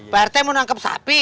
pak rete mau nangkep sapi